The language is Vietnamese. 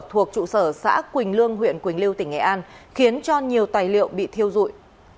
thuộc trụ sở xã quỳnh lương huyện quỳnh lưu tỉnh nghệ an khiến cho nhiều tài liệu bị thiêu dụi